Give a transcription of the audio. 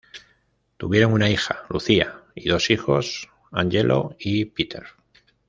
Tuvieron una hija, Lucia, y dos hijos Angelo y Peter.